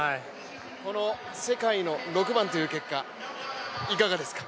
この世界の６番という結果、いかがですか？